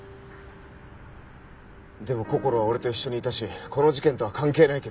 でもこころは俺と一緒にいたしこの事件とは関係ないけど。